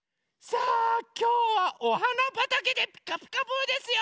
さあきょうはおはなばたけで「ピカピカブ！」ですよ！